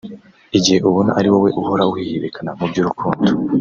Igihe ubona ari wowe uhora uhihibikana mu by’urukundo